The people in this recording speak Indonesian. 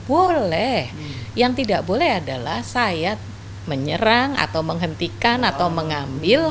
boleh yang tidak boleh adalah saya menyerang atau menghentikan atau mengambil